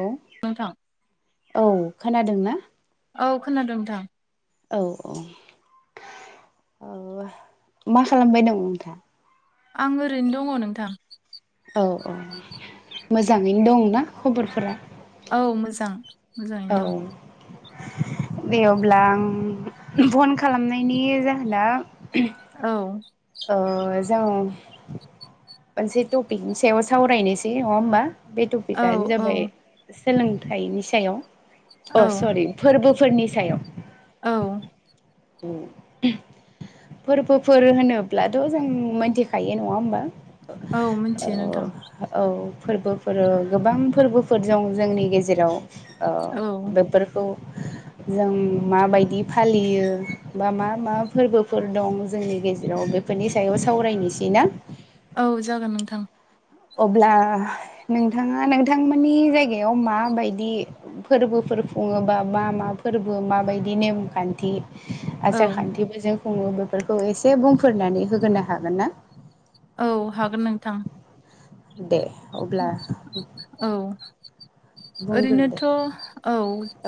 औ नोंथां औ खोनादों ना? औ खोनादों नोंथां। औ औ औ मा खालामबाय दं नोंथा? आं ओरैनो दङ नोंथां। औ औ मोजाङैनो दंना खबरफोरा? औ मोजां। मोजाङैनो औ। दं दे अब्ला आं फन खालामनायनि जाहोना औ। ओ जों मोनसे टपिकनि सायाव सावरायनोसै नङा होमबा? बे औ टपिकआनो औ जाबाय सोलोंथाइनि सायाव अ औ सरि फोरबोफोरनि सायाव। औ। [unintelligible] फोरबोफोर होनो ब्लाथ' जों मोनथिखायो नङा होमबा? औ मिथियो नोंथां औ फोरबोफोर गोबां फोरबोफोर दं जोंनि गेजेराव। औ बेफोरखौ जों माबायदि फालियो बा मा मा फोरबोफोर दं जोंनि गेजेराव बे फोरनि सायाव सावरायनोसै ना? औ जागोन नोंथां अब्ला नोंथांआ नोंथांमोननि जायगायाव मा बायदि फोरबोफोर खुङोबा मा मा फोरबो माबादि नेमखान्थि औ आसार खान्थिबो जों खुङो बेफोरखौ एसे बुंफोरनानै होग्रोनो हागोन ना औ हागोन नोंथां देह औ बुंग्रोदो ओरैनोथ' औ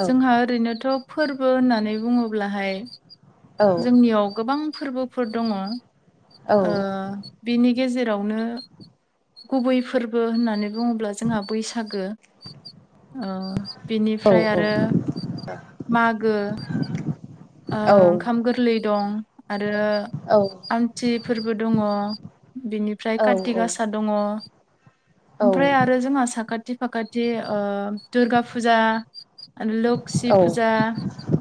औ जोंहा ओरैनोथ' फोरबो होननानै बुङोब्लाहाय औ जोंनिआव गोबां फोरबोफोर दङो औ ओ बिनि गेजेरावनो गुबै फोरबो होननानै बुङोब्ला जोंहा बैसागो ओ बिनिफ्राय आरो मागो ओ ओंखाम गोरलै दं आरो औ आमथि फोरबो दङ बिनिफ्राय काति गासा दङ आमफ्राय आरो जोंहा साखाथि माखासे ओ दुर्गा फुजा लखि फुं लोसि फुजा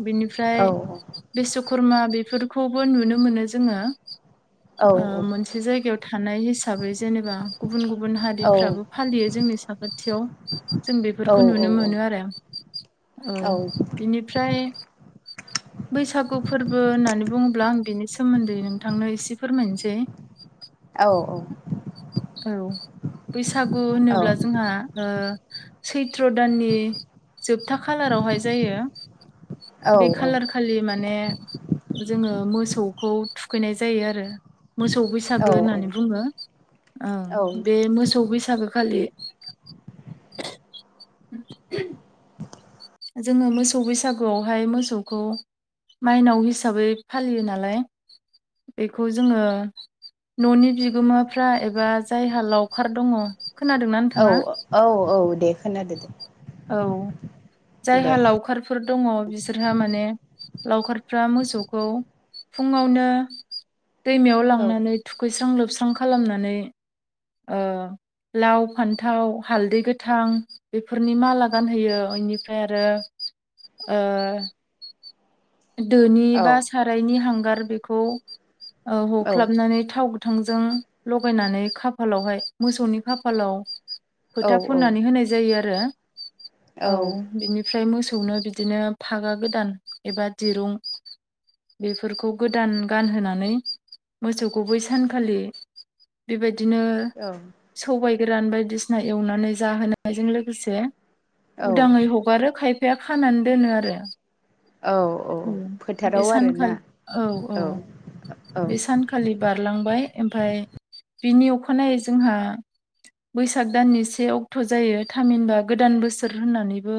बिनिफ्राय बिस्वकुर्मा बेफोरखौबो नुनो मोनो जोङो ओ औ मोनसे जायगायाव थानाय हिसाबै बा गुबुन गुबुन हारिफ्राबो फालियो जोंनि साखाथिआव जों बेफोरखौ नुनो मोनो आरो औ इनिफ्राय बैसागु फोरबो होननानै बुङोब्ला आं बिनि सोमोन्दै नोंथांनो एसे फोरमायसै औ औ औ बैसागु होनोब्ला जोंहा ओ सैथ्र दाननि जोबथा खालारावहाय जायो बे कालार खा खालि माने जोङो मोसौखौ थुखैनाय जायो आरो मोसौ बैसागु बैसागो होननानै बुङो ओं बे मोसौ बैसागो खालि [inaudible] जोङो मोसौ बैसागोआवहाय मोसौखौ माइनाव हिसाबै फालियो नालाय बेखौ जोङो न'नि बिगोमाफ्रा एबा जायहा लावखार दङ खोनादों ना नों औ ओ औ औ दे खोनादो दे औ दे जायहा लावखारफोर फोर दङ बिसोरहा माने लावखारफ्रा मोसौखौ फुआवनो दैमायाव औ लांनानै थुखैस्रां लोबस्रां खालामनानै ओ लाव फान्थाव हालदै गोथां फोरनि माला गानहोयो इनिफ्राय आरो ओ दोनि औ बा सारायनि हांगार बेखौ ओ औ ह'ख्लाबनानै थाव गो गोथांजों ल'गायनानै खाफालावहाय मोसौनि खाफालाव औ खोथा फुननानै होनाय जायो आरो औ बिनिफ्राय मोसौनो बिदिनो फागा गोदान एबा दिरुं बेफोरखौ गोदान गानहोनानै मोसौखौ बै सानखालि बेबादिनो औ सबायाइ गोरान बायदिसिना एवनानै जाहोनायजों लोगोसे औ उदाङै हगा हगारो खायफाया खानानै दोनो आरो औ औ बे फोथाराव आरोना सानखाल औ औ औ बे सानखा खालि बारलांबाय ओमफाय बिनि अखानायै जोंहा बैसाग दाननि से अक्ट' जायो थामहिनबा गोदान बोसोर होननानैबो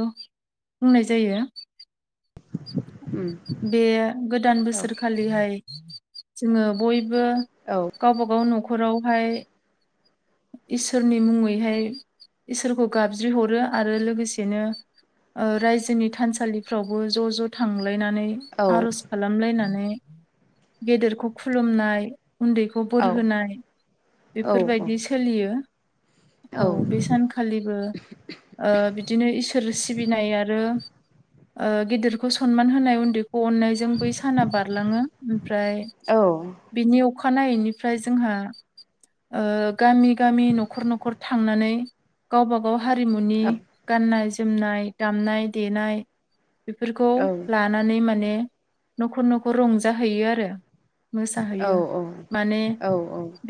बुंनाय जायो। उम। बे गोदान औ बोसोरखालिहाय जोङो बयबो औ। गावबा गाव न'खरावहाय इसोरनि मुङैहाय इसोरखौ गाबज्रि हरो आरो लोगोसेनो ओ रायजोनि थानसालिफ्रावबो ज' ज' थांलायनानै औ आर'ज खालामलायनानै गेदेरखौ खुलुमनाय उन्दैखौ औ बोरहोनाय बेफोरबायदि सोलियो औ बे सानख खालिबो बिदिनो इसोर सिबिनाय आरो गेदिरखौ सनमान होनाय उन्दैखौ अननायजों बै साना बारलाङो। ओमफ्राय औ बिनि अ अखानायैनिफ्राय जोंहा गामि गामि न'खर न'खर थांनानै गावबा गाव हारिमुनि औ गाननाय जोमनाय दामनाय देनाय बेफोरखौ लानानै माने न'खर न'खर रंजाहैयो आरो। मोसाहैयो माने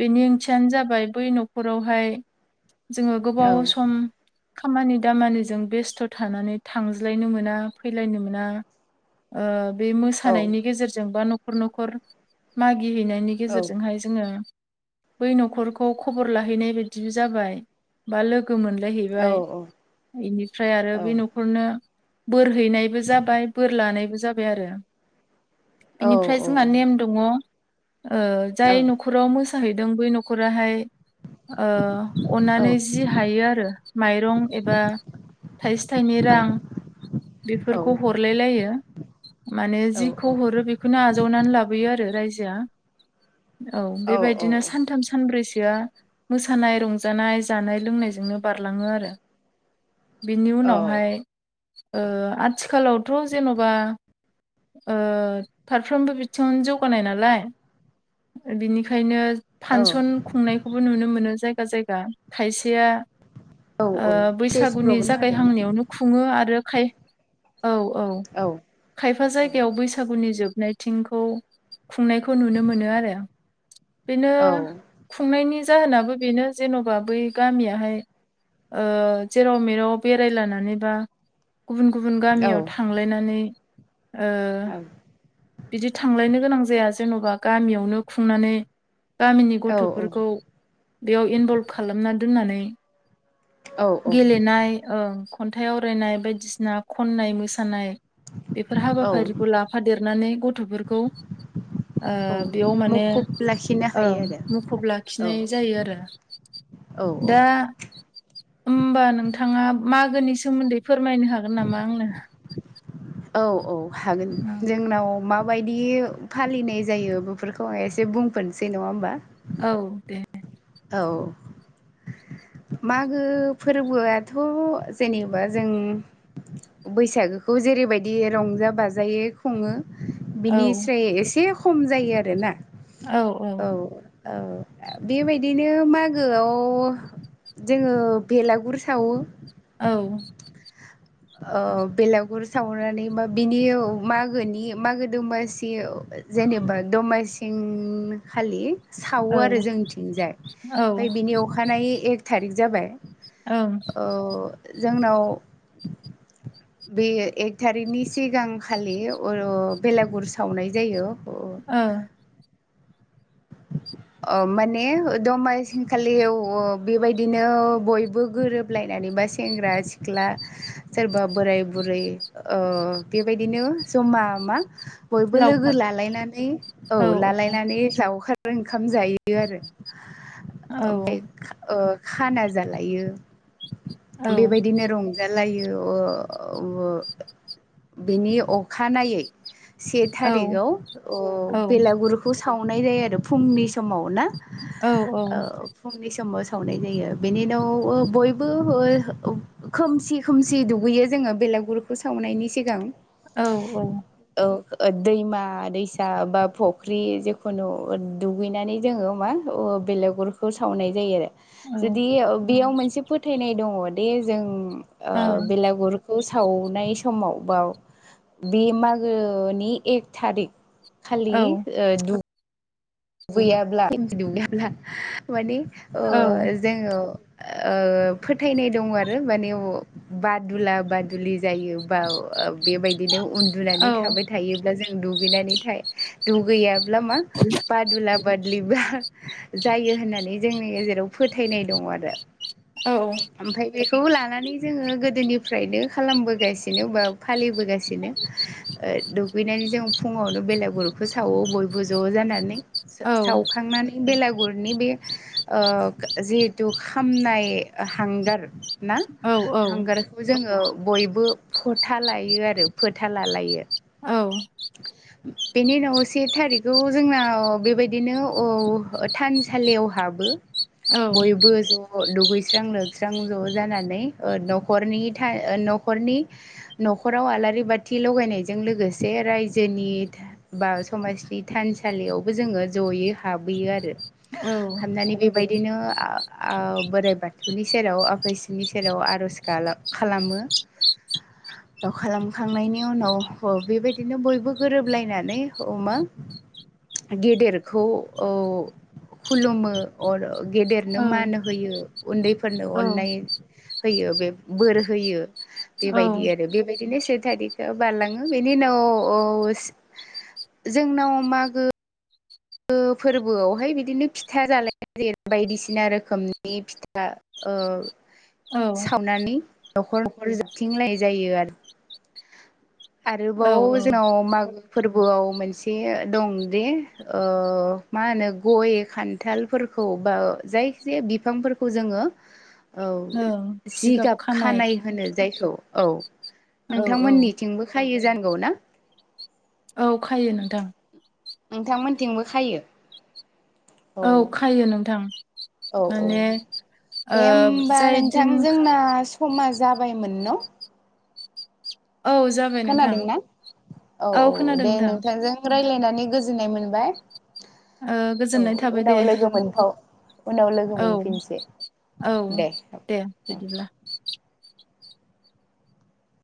बेनि ओंथियानो जाबाय बै न'खरावहाय जोङो गोबाव सम खामानि दामानिजों बेस्थ' थानानै थांज्लायनो मोना फैलायनो मोना ओ बे मोसानायनि गेजेरजों बा न'खर न'खर मागिहैनायनि गेजेरजोंहाय जोङो बै न'खरखौ खबर लाहैनाय बायदिबो जाबाय बा लोगो मोनलायहैबाय। बेनिफ्राय आरो बे न'खरनो बोर हैनायबो जाबाय बोर लानायबो जाबाय आरो। बिनिफ्राय जोंहा नेम दङ जाय न'खराव मोसाहैदों बै न'खराहाय ओ अननानै जि हायो आरो माइरं एबा थाइसे थाइनै रां बेफोरखौ हरलाय लायो। माने जिखौ हरो बेखौनो आजावनानै लाबोयो आरो रायजोआ। औ बेबायदिनो सानथाम सानब्रैसोआ मोसानाय रंजानाय जानाय लोंनायजोंनो बारलाङो आरो। बिनि उनावहाय ओ आथिखालावथ' जेन'बा ओ फारफ्रोमबो बिथिङनो जौगानाय नालाय, बिनिखायनो फांसन खुंनायखौबो नुनो मोनो जायगा जायगा खायसेया ओ बैसागुनि जागायहांनायावनो खुङो आरो खाय औ औ खायफा जायगायाव बैसागुनि जोबनाय थिंखौ खुंनायखौ नुनो मोनो आरो। बेनो खुंनायनि जाहोनाबो बेनो जेन'बा बै गामियाहाय ओ जेराव मेराव बेराय लानानै बा गुबुन गुबुन गामियाव थांलायनानै ओ बिदि थांलायनो गोनां जाया जेन'बा गामियावनो खुंनानै गामिनि गथ'फोरखौ बेयाव इनभल्भ खालामना दोननानै गेलेनाय ओं खन्थाइ आवरायनाय बायदिसिना खननाय मोसानाय बेफोर हाबाफारिखौ लाफादेरनानै गथ'फोरखौ बेयाव माने मुखुब लाखिनो औ हायो मुखुब आरो लाखिनाय जायो आरो। औ दा होमबा नोंथाङा मागोनि सोमोन्दै फोरमायनो हागोन नामा आंनो? औ औ हागोन जोंनाव माबायदि फालिनाय जायो बेफोरखौ आं एसे बुंफोरसै नङा होमबा। औ दे। औ। मागो फोरबोआथ' जेनेबा जों बैसागोखौ जेरैबायदि रंजा बाजायै खुङो औ बिनिस्राय एसे खम जायो आरोना औ। औ बेबाय बिदिनो मागोआव जोङो बेलागुर सावो। औ। ओ बेलागुर सावनानै बा बिनि मागोनि मागो दंमासियाव जेनेबा दमासिं खालि औ सावो आरो जोंथिंजाय औ ओमफ्राय बिनि अखानायै एक थारिक जाबाय। ओं ओ जोंनाव बे एक थारिकनि सिगांखालि ओ बेलागुर सावनाय जायो। औ। अ माने दमासिनखालियाव बेबायदिनो बयबो गोरोब सलायनानै बा सेंग्रा सिख्ला सोरबा बोराय बुरै ओ बेबायदिनो जमा मा बयबो लोगो लावखार लालायनानै औ लालायनानै जाव फ्राय ओंखाम जायो आरो औ ओमफ्राय खा ओ खाना जालायो औ बेबायदिनो रं जालायो बिनि अखानायै से औ थारिखाव अ औ बेलागुरिखौ सावनाय जायो आरो फुंनि समाव ना। औ औ। ओ फुंनि समाव सावनाय जायो बेनि उनाव ओ बयबो [unintelligible] खोमसि खोमसि दुगैयो जोङो बेलागुरखौ सावनायनि सिगां। औ औ। औ ओ दैमा दैसा बा फुख्रि जेखुनु दुगैनानै जोङो मा अ बेलेगरखौ सावनाय जायो आरो जुदि बेयाव मोनसे फोथायनाय दङ दे जों औ बेलागुर खौ सावनाय समाव बाव बे मागोनि एक थारिक खालि आ द गैयाब्ला [unintelligible] माने ओ जोङो ओ फोथायनाय दङ आरो माने बादुला बादुलि जायो बा ओ बेबायदिनो औ उन्दुनानै थाबाय थायोब्ला जों दुगैनानै था दुगैयाब्ला मा बादुला बादुलि बा जायो होननानै जोंनि गेजेराव फोथायनाय दङ आरो। औ। ओमफ्राय बेखौ लानानै जोङो गोदोनिफ्रायनो खालामबोगासिनो बा फालिबोगासिनो। ओ दुगैनानै जों फुङावनो बेलागुरखौ सावो बयबो ज' जानानै। सावखांनानै बेलागुरनि बे ओ जिहेथु खामनाय हांगार ना हांगार बेखौ जोङो बयबो फोथा लायो आरो फोथालालायो ‌। औ। [inaudible] बेनि उनाव से थारिखखौ जोंनाव बेबायदिनो अ थानसालियाव हाबो। बयबो ज' दुगैस्रां लोबस्रां ज' जानानै ओ न'खरनि था न'खरनि। न'खराव आलारि बाथि लगायनायजों लोगोसे रायजोनि बा समाजनि थानसालियावबो जोङो जयै हाबहैयो आरो हाबनानै बेबायदिनो बोराइ बाथौनि सेराव आफा सिनि सेराव आर'ज गाबला खालामो खालामखांनायनि उनाव बेबायदि बिदिनो बयबो गोरोबलायनानै औ मा गेदेरखौ औ खुलुमो अर गेदेरनो मान होयो उन्दैफोरनो अननाय होयो बे बोर होयो बेबायदि औ आरो बेबायदिनो सो थारिखआ बारलाङो बेनि उनाव ह औस जोंनाव मागो फोरबोआवहाय बिदिनो फिथा जालाय नाय जायो बायदिसिना रोखोमनि फिथा ओ सावनानै न'खर न'खर जाबथिंलायनाय जायो आरो औ आरोबाव जोंनाव मागो फोरबोआव मोनसे दं दे ओ मा होनो गय खान्थालफोरखौ बा जायखि जाया बिफांफोरखौ जोङो औ जिगाब खानाय होनो जायखौ औ औ औ नोंथांमोननि थिंबो खायो जानांगौ ना औ खायो नोंथां नोंथांमोनथिंबो खायो औ खायो नोंथां औ औ माने ओ दे होमबा जाय नोंथां दिन जोंना समा जाबायमोन न' औ जाब खोनादोंना औ औ खोनादों दे नोंथां नोंथांजों रायज्लायनानै गोजोननाय मोनबाय ओ औ गोजोननाय थाबाय दे उनाव लोगो मोनफाव उनाव औ लोगो मोनफिनसै औ दे दे औ बिदिब्ला